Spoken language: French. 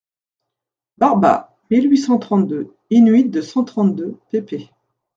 Barba, mille huit cent trente-deux, in-huit de cent trente-deux pp.